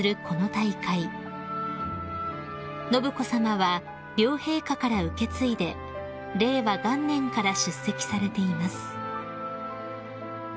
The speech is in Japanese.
［信子さまは両陛下から受け継いで令和元年から出席されています］